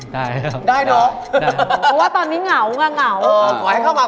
เพราะว่าตอนนี้เหงา